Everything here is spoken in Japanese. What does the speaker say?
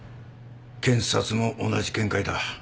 検察も同じ見解だ。